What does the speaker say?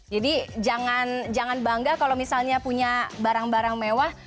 jadi jangan bangga kalau misalnya punya barang barang mewah